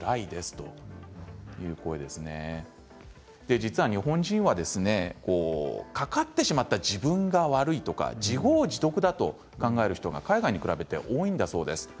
実は日本人はかかってしまった自分が悪い、自業自得だと考える人が海外に比べると多いんだそうです。